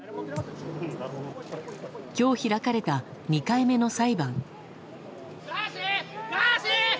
今日開かれた２回目の裁判。